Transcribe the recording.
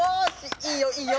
いいよいいよ！